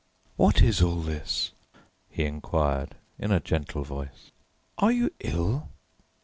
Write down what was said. "What is all this?" he inquired, in a gentle voice. "Are you ill?"